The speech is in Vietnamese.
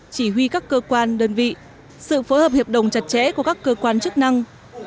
chỉ huy các cơ quan đơn vị sự phối hợp hiệp đồng chặt chẽ của các cơ quan chức năng